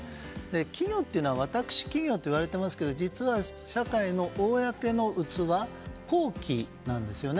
企業というのは私企業といわれていますけど実は、社会の公の器公器なんですよね。